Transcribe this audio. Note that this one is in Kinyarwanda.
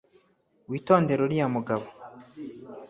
witondere uriya mugabo